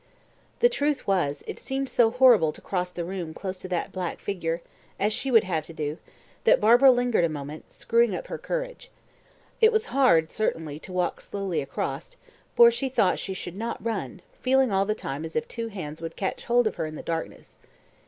The truth was, it seemed so horrible to cross the room close to that black figure as she would have to do that Barbara lingered a moment, screwing up her courage. It was hard, certainly, to walk slowly across, for she thought she should not run, feeling all the time as if two hands would catch hold of her in the darkness.